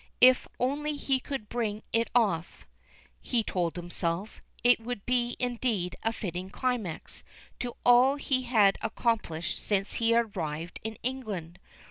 If only he could bring it off, he told himself, it would be indeed a fitting climax to all he had accomplished since he had arrived in England.